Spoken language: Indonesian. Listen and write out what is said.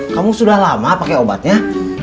kamu sudah lama pakai obatnya